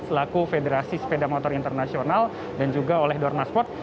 selaku federasi sepeda motor internasional dan juga oleh dornasport